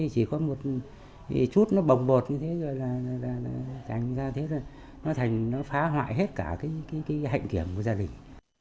chỉ có một chút nó bồng bột như thế là thành ra thế là nó phá hoại hết cả cái hạnh kiểm của gia đình